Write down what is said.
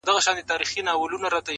o کوس گټي کولې مرگی ئې هير وو٫